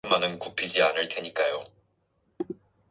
숨이 가빠 오고 가슴이 죄어 오고 어깨 위가 부서지는 것 같다.